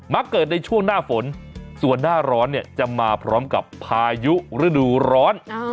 เกิดในช่วงหน้าฝนส่วนหน้าร้อนเนี่ยจะมาพร้อมกับพายุฤดูร้อน